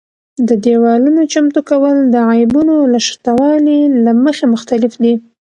د دېوالونو چمتو کول د عیبونو له شتوالي له مخې مختلف دي.